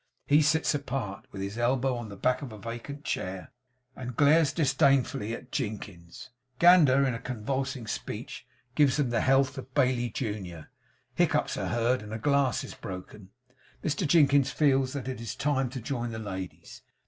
He sits apart, with his elbow on the back of a vacant chair, and glares disdainfully at Jinkins. Gander, in a convulsing speech, gives them the health of Bailey junior; hiccups are heard; and a glass is broken. Mr Jinkins feels that it is time to join the ladies.